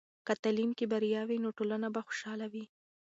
که تعلیم کې بریا وي، نو ټولنه به خوشحاله وي.